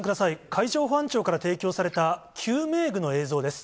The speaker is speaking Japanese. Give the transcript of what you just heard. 海上保安庁から提供された、救命具の映像です。